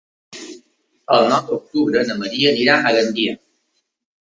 El nou d'octubre na Maria anirà a Gandia.